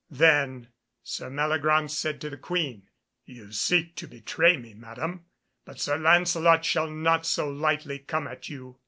Then Sir Meliagraunce said to the Queen, "You seek to betray me, Madam; but Sir Lancelot shall not so lightly come at you."